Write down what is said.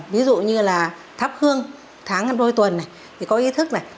ví dụ như là thắp hương tháng đôi tuần có ý thức này